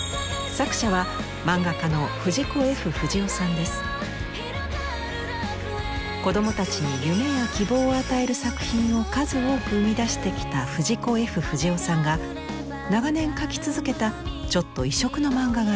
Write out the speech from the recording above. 作者は子どもたちに夢や希望を与える作品を数多く生み出してきた藤子・Ｆ・不二雄さんが長年描き続けたちょっと異色の漫画があります。